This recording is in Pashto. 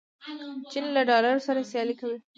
چین له ډالر سره سیالي کوي.